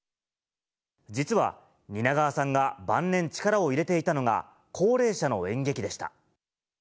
実は、蜷川さんが晩年力を入れていたのが、高齢者の演劇でした。